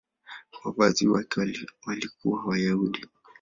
Wazazi wake walikuwa Wayahudi.